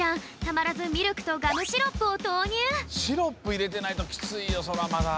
たまらずミルクとガムシロップをとうにゅうシロップいれてないときついよそらまだ。